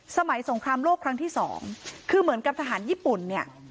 สงครามโลกครั้งที่สองคือเหมือนกับทหารญี่ปุ่นเนี่ย